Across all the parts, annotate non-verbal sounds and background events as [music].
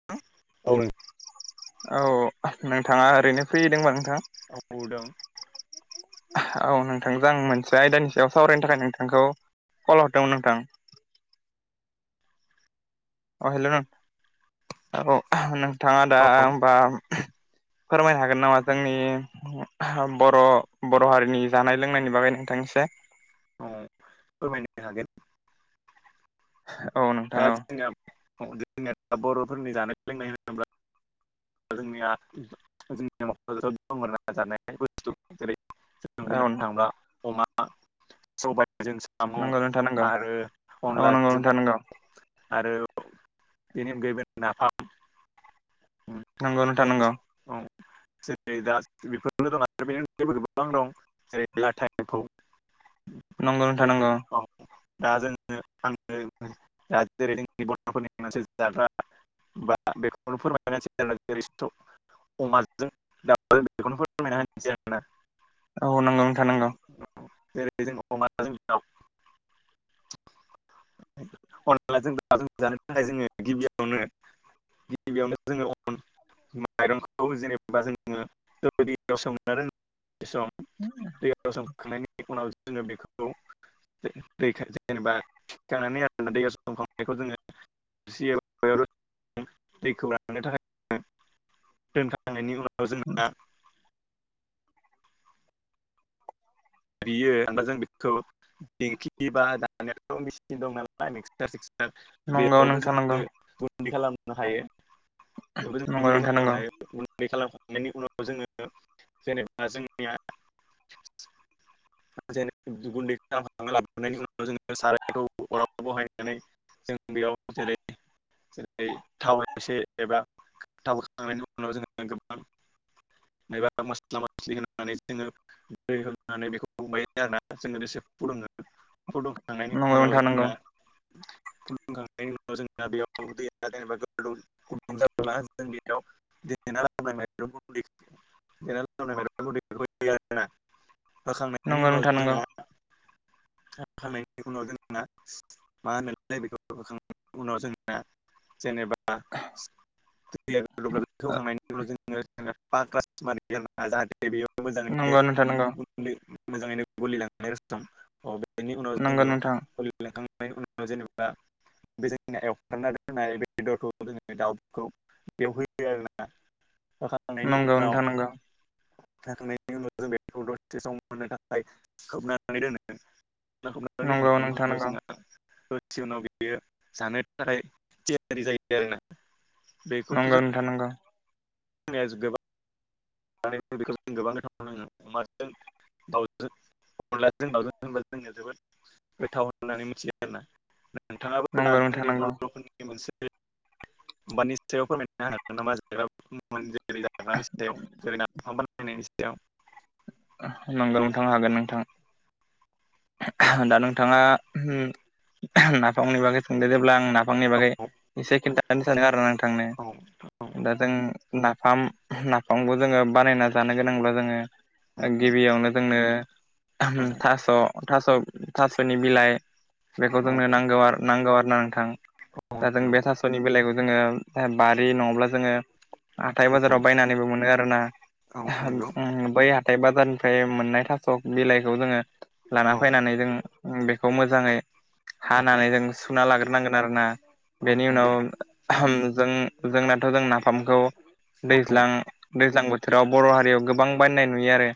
[inaudible] औ नों औ नोंथाङा ओरैनो फ्रि दोंबा नोंथां? [unintelligible] औ नोंथांजों आं मोनसे आयदानि सायाव सावरायनो थाखाय नोंथांखौ कल हरदोंमोन नोंथां। अ हेल' औ नोंथाङा दा औ होनबा फोरमायनो हागोन नामा जोंनि बर' बर' हारिनि जानाय लोंनायनि बागै नोंथांनिसे औ फोरमायनो हागोन औ नोंथां दा औ जोंना जोंनिया बर'फोरनि जानाय लोंनाय होनोब्ला [unintelligible] जों बुंनो औ थाङोब्ला अमा सबायजों साम'जों नंगौ नोंथां नंगौ साम' आरो औ नंगौ अनलाजों नोंथां नंगौ आरो बिदिनो बेबादि नाफाम नंगौ नोंथां नंगौ [unintelligible] [unintelligible] नंगौ बे नोंथां नंगौ। [unintelligible] [unintelligible] अमाजों दाउजों बेखौनो फोरमायना होनोसै आरोना। औ नंगौ नोंथां नंगौ। जेरै जों अमाजों दाव। अनलाजों दाउजों जानो थाखाय जोङो गिबियावनो गिबियावनो जोङो अन [unintelligible] [inaudible] दैयाव सोमखांनायनि उनाव जोङो बेखौ दैखौ जेनेबा थिखांनानै आरो दैयाव सनखांनायखौ जोङो [unintelligible] [unintelligible] [unintelligible] बा मिक्सार सिक्सार नंगौ नोंथां बेफोरावनो नंगौ जोङो गुन्दै खालामनो हायो। [unintelligible] नंगौ नोंथां नंगौ गुन्दै खालामखांनायनि उनाव जोङो जेनेबा जोंनिया जे गुन्दै खालामखांना लाबोनायनि उनाव जोङो सारायखौ अराव बहायनानै जों बेयाव जेरै जेरै थाव एसे एबा थाव होखांनायनि उनाव जोङो गोबां एबा मस्ला मस्लि होनानै जोङो दै होनानै बेखौ [unintelligible] फुदुं खांनायनि नंगौ उनाव नोंथां नंगौ जोंना बेयाव दैया जेनेबा गुदुं जाबोब्ला जों बेयाव [unintelligible] होखांनायनि नंगौ उनाव नोंथां नंगौ जोंहा होखांनायनि उनाव जोंना मा होनो बेखौ होखांनायनि उनाव जोंना जेनेबा [unintelligible] [unintelligible] मोजाङैनो गलि नंगौ नोंथां लांनाय रसम बेनि उनाव नंगौ जोङो नोंथां गलि लांखां नाय उनाव जेनेबा बे जोंना एवफ्रामना दोननाय बेदरखौ जोङो दाउखौ एवहोयो आरो ना [unintelligible] नंगौ नोंथां नंगौ। खांनायनि उनाव जों बेखौ दसे सम मोननो थाखाय खोबनानै दोनो। नंगौ नोंथां नंगौ [unintelligible] दसे उनाव बियो जानो थाखाय थियारि जायो आरो ना। नंगौ नोंथां नंगौ। गोबां [unintelligible] दाउजों अनलाजों दाउजों होनबा जोंनिया जोबोद गोथाव होननानै मिथियो आरोना। नोंथाङाबो दा नंगौ नोंथां जोंनि नंगौ बर' [unintelligible] [unintelligible] [unintelligible] जैरै नाफाम बानायनायनि सायाव नंगौ नोंथां हागोन नोंथां। दा नोंथाङा नाफामनि बागै सोंदेरोब्ला आं नाफ बिफांनि औ बागै एसे खिन्थानो सानो आरो ना नोंथांनो औ दा जों नाफाम नाफामखौ जोङो बानायना जानो गोनांब्ला जोङो औ गिबियावनो जोंनो औ थास' थास' थास'नि बिलाइ बेखौ औ जोंनो नांगौ नांगौ आरो ना नोंथां। औ दा जों नंगौ बे थास'नि बिलाइखौ जोङो ओ बा रि नङाब्ला जोङो हाथाय औ बाजाराव बायनानैबो मोनो आरोना औ नंगौ बै हा थाय बाजारनिफ्राय मोननाय थास' बिलाइखौ जोङो लाना औ फैनानै जों बेखौ मोजाङै हानानै औ जों सुना लाग्रोनांगोन आरो ना। औ नंगौ औ बेनि नंगौ उनाव जों जोंनाथ' जों नाफामखौ औ दैज्लां दैज्लां बोथोराव बर' हारियाव गोबां बायनाय नुयो आरो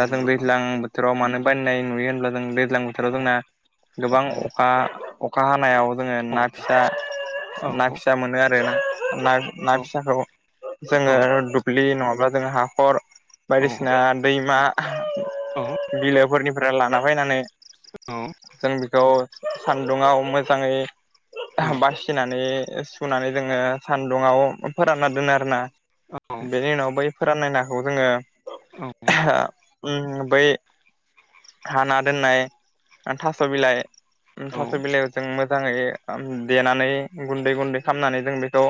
दा जों दैज्लां बोथोराव मानो बानायनाय नुयो होनब्ला जों दैज्लां बोथोराव जोंना गोबां अखा अखा हानायाव जोङो ना फिसा औ ना औ औ फिसा मोनो आरोना ना ना फिसाखौ जोङो दुब्लि नङाब्ला जोङो हाखर बायदिसिना दैमा बिलोफोरनिफ्राय लाना फैनानै औ जों बेखौ सान्दुङाव मोजाङै बासिनानै सुनानै जोङो सान्दुङाव फोरानना दोनो आरो ना। बेनि उनाव बै फोराननाय नाखौ जोङो बै हाना दोननाय थास' बिलाइ थास' बिलाइयाव जों मोजाङै देनानै गुन्दै गुन्दै खालामनानै जों बेखौ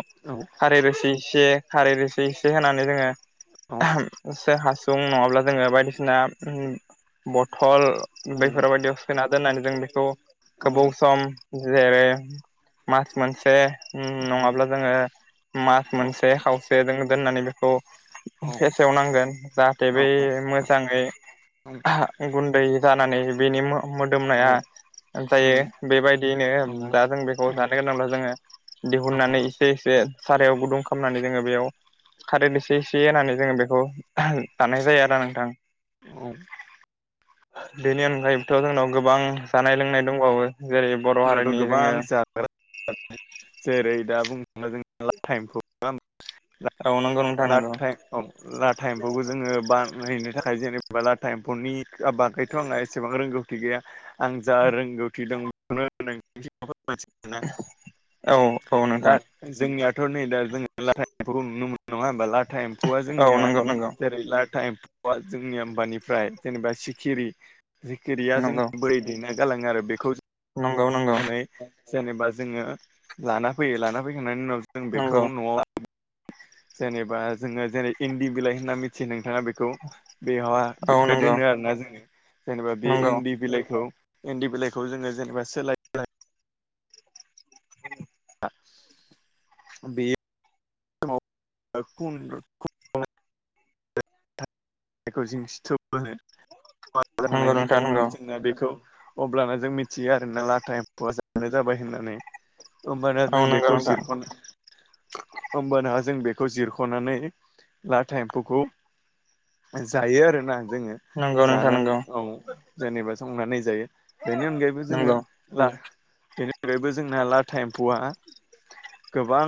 खारै रोसि एसे खारै रोसि एसे होनानै जोङो बे हासुं नङाब्ला जोङो बायदिसिना उम बथल बेफोरबायायदियाव सोना दोननानै जों बेखौ गोबाव सम जेरै मास मोनसे उम नङाब्ला जोङो मास मोनसे खावसे जोङो दोननानै बेखौ फेसेव नांगोन। जाहाथे बै मोजाङै गुन्दै जानानै बेनि मो-मोदोमनाया जायो बेबायदियैनो दा जों बेखौ जानो गोनांब्ला जोंङो दिहुननानै एसे एसे सारायाव गुदुं खालामनानै जोंङो बेयाव कारैबो एसे एसे होननानै जोंङो बेखौ दानाय जायो आरो नोंथां बेनि अनगायैबोथ' जोंनाव गोबां जानाय लोंनाय दंबावो जेरै बर' जोंनाथ' हारिनि जोङो गोबां जेरै दा बुंनो [unintelligible] औ नंगौ नोंथां [unintelligible] नंगौ लाटा एम्फौबो जोंङो बा नो थाखाय जेनेबा लाथा एम्फौनि बागैथ' आंहा एसेबां रोंगौथि गैया आं जा रोंगौथि दं [unintelligible] औ औ नोंथां जोंनियाथ' नै दा लाथामौखौ नुनो मोनो नांआ होमबा लाथा एमफौआ औ जोंनि या नंगौ नंगौ [unintelligible] जेनेबा सिखिरि सिखिरिया जों नंगौ बै दैना गालाङो आरो बेखौ नंगौ नंगौ जोनै जेनेबा जोंङो लाना फैयो लाना फैखांनायनि उनाव जों नंगौ बेखौ न'आव जेनेबा जोंङो जेनै इन्दि बिलाइ होनना मिथि नोंथाङा बेखौ बेहा औ बे नंगौ दोनो आरोना जोंङो जेनेबा बे नंगौ इन्दि बिलाइखौ इन्दि बिलाइखौ जोंङो जेनेबा सोलाय बे [unintelligible] जायखौ जों फिथोब होनो नंगौ खालांनायनि नोंथां नंगौ उनाव जोंना बेखौ अब्लानो जों मिथियो आरोना लाथा एमफैआ जानो जाबाय होननानै होमबाना औ जों नंगौ बेखौ नोंथां जिरख'नो होमबाना जों बेखौ जिरख'नानै लाथा एम्फौखौ जायो आरोना जोंङो नंगौ नोंथां जाना नंगौ औ जेनेबा संनानै जायो बेनि अनगायैबो जोंङो ला बेनिफ्रायबो जोंना लाटा एम्फौआ गोबां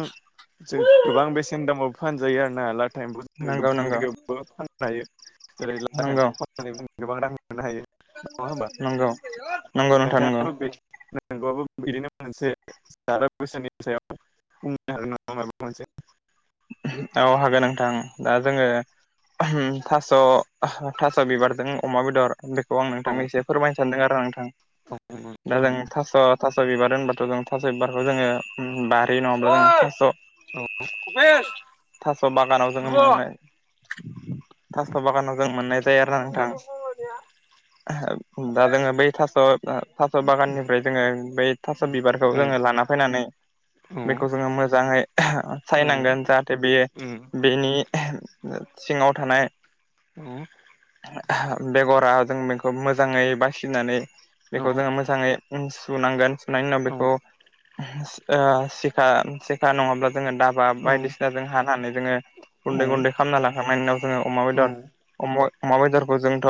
जों गोबां बेसेन दामाव फानजायो आरो ना लाटा इमफै जों नंगौ नंगौ गोबां जायगायावबो फाननो हायो जेरै लाथा नंगौ एमफैखौ फाननानै गोबां रां मोननो हायो नङा होमबा नंगौ नंगौ नोंथां नंगौ नंगौबाबो बिदिनो मोनसे [unintelligible] सायाव माबा मोनसे औ हागोन नोंथां दा जोंङो थास' थास' बिबारजों अमा बेदर बेखौ आं औ नोंथांनि एसे फोरमायनो सानदों आरो नोंथां औ दा जों फोरमाय थास' थास' बिबार होनबाथ' जों थास' बिबारखौ जोंङो ओम बारि नङाब्ला जों थास' औ थास' बागानाव जों मोनाय थास' बागानाव जों मोननाय जायो आरोना औ औ नोंथां दा जोंङो बै थास' थास' बागाननिफ्राय जोंङो बै थास' बिबारखौ औ जोंङो लाना फैनानै औ बेखौ जोंङो मोजाङै सायनांगोन जाहाथे बे बेनि सिंङाव थानाय [unintelligible] बेगरा जों बेखौ मोजाङै बासिनानै बेखौ जोंङो मोजाङै सुनांगोन सुनायनि उनाव बेखौ ओ सिखा सिखा नङाब्ला जोङो दाब बा बायदिसिना जों हानानै जोङो गुन्दै गुन्दै खालामना लांखांनायनि उनाव जोङो अमा बेदर अम अमा बेदरखौ जोंथ'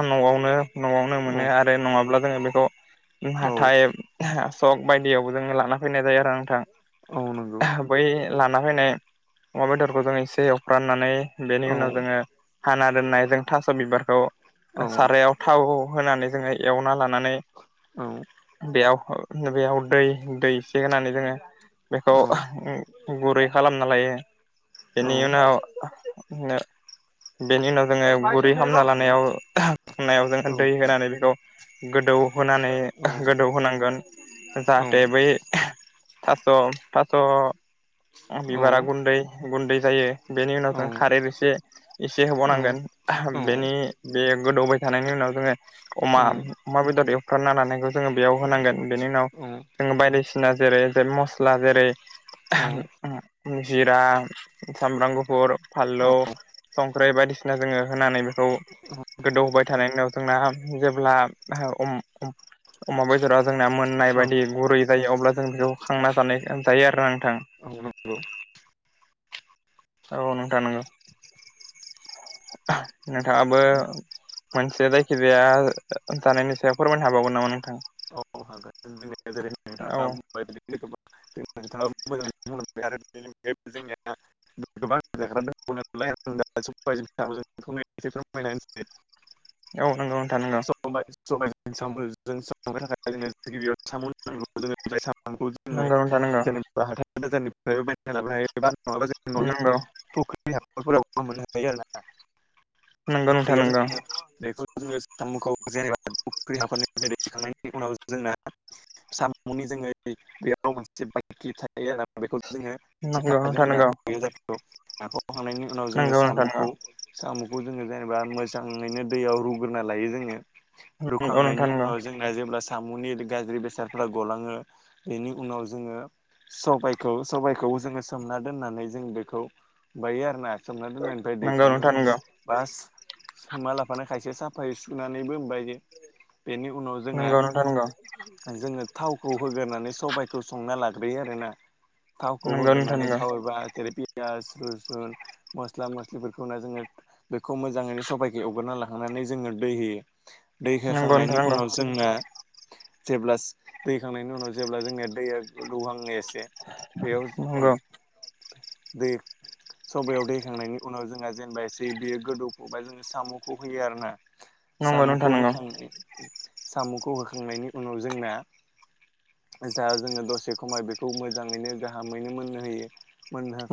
न'आवनो न'आवनो औ मोनो आरो नङाब्ला जोङो बेखौ औ हाथाय सक बायदियावबो जोङो लाना फैनाय जायो आरो नोंथां। औ नंगौ। बै लाना फैनाय अमा बेदरखौ जों एसे एवफ्राननानै बेनि औ उनाव जोङो हाना दोननाय जों थास' बिबारखौ औ सारायाव थाव होनानै जोङो एवना लानानै औ बेयाव बेयाव दै एसे होनानै जोङो बेखौ औ गुरै खालामना लायो बेनि औ उनाव बेनि उनाव जोङो गुरै साम' नांगौ हामना लानायाव खामनायाव जोङो दै होनानै बेखौ गोदौ होनानै गोदौ होनांगोन‌ जाहाथे बै थास' थास' बिबारा गुन्दै गुन्दै जायो बेनि उनाव जों खारै एसे एसे होबावनांगोन बेनि बे गोदौबाय थानायनि उनाव जोङो अमा अमा बेदर एवफ्रामना लानायखौ जोङो बेयाव होनांगोन बेनि उनाव जोङो बायदिसिना जेरै जेथ मस्ला जेरै जिरा सामब्रां गुफुर फानलौ संख्रि बायदिसिना जोङो होनानै बेखौ। गोदौहोबाय थानाय उनाव जोंना जेब्ला हौ ओम। अमा बेदरा जोंना मोननाय बायदि गुरै जायो अब्ला जों बेखौ खांना जानाय जायो आरो नोंथां। औ नोंखौ। औ नोंथा नोंगौ नोंथाङाबो मोनसे जायखि जाया ओ जानायनि सायाव फोरमायनो हाबावगोन नामा नोंथां औ। [unintelligible] नों थाङाबो मोजाङै बुंनो आरो बेनि जोंनिया। [unintelligible] नोंदा सबाय जों दावजों संनाय इसे फोरमायना होनोसै। औ नोंगौ नोथां नोंगौ। [unintelligible] सामखौ जोङो जेनेबा हाथाय नंगौ नोंथां नंगौ बाजारनिफ्राय बायना लाबनो हायो बा नङाबा जों न'नि। नंगौ फुख्रि हाखर फोरावबो मोननो हायो आरो ना। नोंगौ नोंथां बेयाव नोंगौ। जोङो बेखौ जोङो सामुखौ जेनेबा फुख्रि हाखर निफ्राय दैखांनायनि उनाव जोंना सामुंनि जोङै बेयाव मोनसे बाइकि थायो आरो ना। बेखौ जोङो सेखाजों दानखयो गाख'खांनायनि उनाव जोङो नंगौ नोंथां साम'खौ। नंगौ साम'खौ जोङो जेनेबा मोजाङैनो दैयाव रुग्रोना लायो जोङो नंगौ नोंथां नंगौ रुखांनायनि नोंथां नंगौ उनाव जों जोंना जेब्ला साम'नि गाज्रि बेसादफ्रा गलाङो बेनि उनाव जोङो सबायखौ सबायखौ जोङो सोमना दोननानै जों बेखौ बायो आरो ना। सोमना दोन्नायनिफ्राय नंगौ दैखांङो। नोंथां नंगौ बास सोमा लाफानो खायसे साफायै सुनानैबो ओमबायो बेनि उनाव जो जोंहा नंगौ नोंथां नंगौ जोङो थावखौ होगोरनानै सबायइखौ संना लाग्रोयो आरो ना। थावखौ नंगौ नोंथां होग्रोनानै थाव एबा जेरै पियास रुसुन मस्ला मस्लिफोरखौ होना जोङो। बेखौ मोजाङैनो सबाइखो एवग्रोना लाखांनानै जोङो दै होयो दै नंगौ नंगौ नोंथां होखांनायनि नंगौ उनाव जों जोंना जेब्ला दैहोखांनायनि उनाव जेब्ला जोंनिया दैया गोदौहांयो एसे बेयाव ओ अ दै सबायाव दै थांनायनि उनाव जोंहा जेनेबा एसे बियो गोदौफुबा जोङो साम'खौ होयो आरोना। नंगौ नंगौ नोंथां सामुखौ नंगौ होखांनाय सामुखौ होखांनायनि उनाव जोंना जा जोङो दसे खमाय बेखौ मोजाङैनो गाहामैनो मोननो होयो।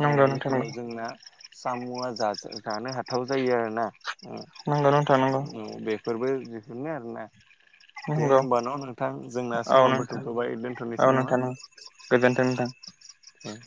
नंगौ नोंथां नंगौ उनाव जोंना सामुआ जाजो जानो हाथाव जायो आरोना। नंगौ नोंथा नंगौ। फोरबो दिहुनो आरोना। [inaudible] दे होमबा न' नोंथां जोंना औ समाबो नोंथां थुगंबाय औ दोनथ'नोसै नामा। नोंथां गोजोनथों नोंथां दे